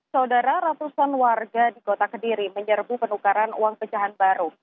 saudara ratusan warga di kota kediri menyerbu penukaran uang pecahan baru